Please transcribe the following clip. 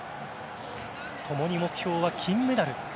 共に目標は金メダル。